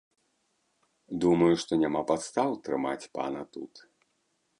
Думаю, што няма падстаў трымаць пана тут.